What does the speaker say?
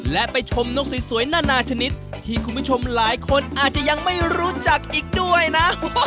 และไปชมนกสวยนานาชนิดที่คุณผู้ชมหลายคนอาจจะยังไม่รู้จักอีกด้วยนะ